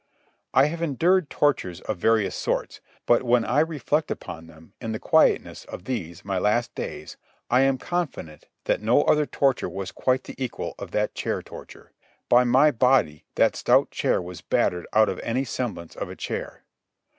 I have endured tortures of various sorts, but when I reflect upon them in the quietness of these my last days, I am confident that no other torture was quite the equal of that chair torture. By my body that stout chair was battered out of any semblance of a chair.